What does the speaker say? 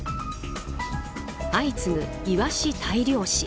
相次ぐイワシ大量死。